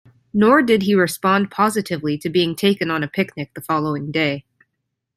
Nor did he respond positively to being taken on a picnic the following day.